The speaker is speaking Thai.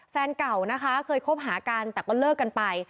แฟนเก่านะคะเคยคบหากันแต่ก็เลิกกันไป